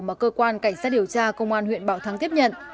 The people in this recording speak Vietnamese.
mà cơ quan cảnh sát điều tra công an huyện bảo thắng tiếp nhận